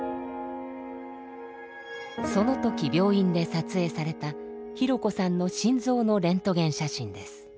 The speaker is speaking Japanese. その時病院で撮影されたひろこさんの心臓のレントゲン写真です。